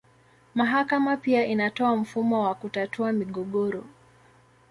Mahakama pia inatoa mfumo wa kutatua migogoro.